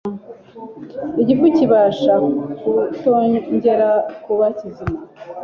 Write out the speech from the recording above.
Igifu kibasha kutongera kuba kizima